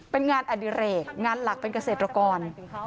เป็นงานอดิเรกงานหลักเป็นเกษตรกร